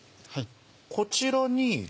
こちらに。